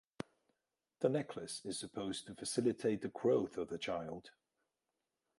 The necklace is supposed to facilitate the growth of the child.